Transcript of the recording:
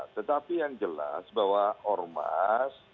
tetapi yang jelas bahwa ormas